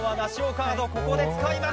カードをここで使います。